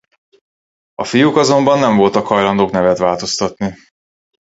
A fiúk azonban nem voltak hajlandóak nevet változtatni.